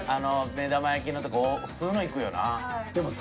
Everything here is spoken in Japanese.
目玉焼きのとか普通のいくよな。